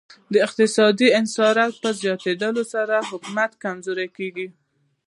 د اقتصادي انحصار په زیاتیدو سره حاکمیت کمیږي